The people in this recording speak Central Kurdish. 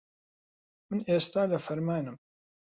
من ئێستا لە فەرمانم.